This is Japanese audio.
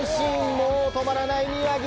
もう止まらない宮城。